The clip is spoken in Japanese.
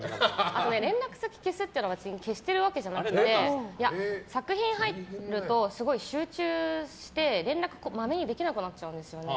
あと、連絡先消すっていうのは消してるわけじゃなくて作品入るとすごい集中して連絡をまめにできなくなっちゃうんですね。